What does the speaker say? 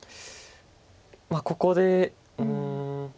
まあここでうん。